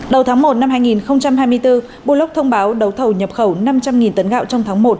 đầu tháng một năm hai nghìn hai mươi bốn bulog thông báo đấu thầu nhập khẩu năm trăm linh tấn gạo trong tháng một